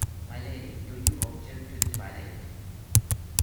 My Lady, do you object to the twilight?